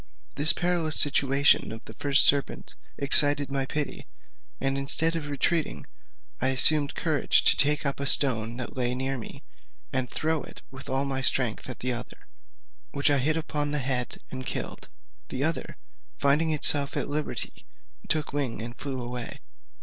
This perilous situation of the first serpent excited my pity, and instead of retreating I assumed courage to take up a stone that lay near me, and to throw it with all my strength at the other, which I hit upon the head and killed. The other, finding itself at liberty, took wing and flew away.